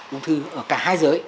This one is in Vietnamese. ung thư ở cả hai giới